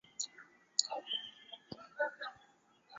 劳力的工作和宗教的课程。